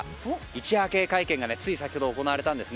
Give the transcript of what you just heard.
一夜明け、会見がつい先ほど行われたんです。